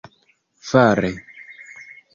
fare